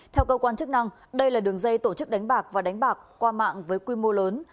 theo cơ quan chức năng đây là đường dây tổ chức đánh bạc và đánh bạc qua mạng với quy mô lớn